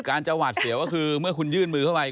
การจะหวาดเสียวก็คือเมื่อคุณยื่นมือเข้าไป